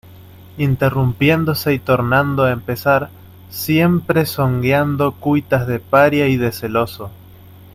interrumpiéndose y tornando a empezar, siempre zongueando cuitas de paria y de celoso: